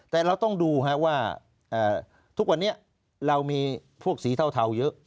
แต่เราต้องดูว่าทุกวันนี้เรามีพวกสีเทาเยอะ